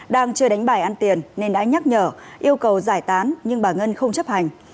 đang chưa đánh bài ăn tiền nên đã nhắc nhở yêu cầu giải tán nhưng bà ngân không chấp hành